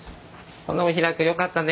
このむひらくよかったね。